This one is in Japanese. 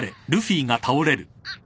あっ。